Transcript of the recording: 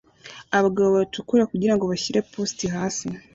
Abagabo bacukura kugirango bashyire post hasi